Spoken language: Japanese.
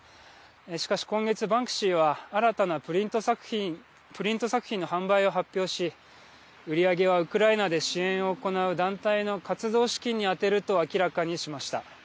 しかし今月バンクシーは新たなプリント作品の販売を発表し売り上げはウクライナで支援を行う団体の活動資金に充てると明らかにしました。